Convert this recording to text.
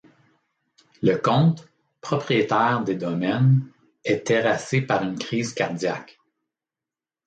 Le Comte, propriétaire des domaines, est terrassé par une crise cardiaque.